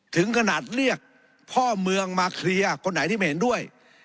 ถึงขนาดเรียกพ่อเมืองมาเคลียร์คนไหนที่ไม่เห็นด้วย